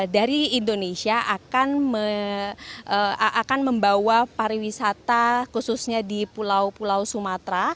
dari indonesia akan membawa pariwisata khususnya di pulau pulau sumatera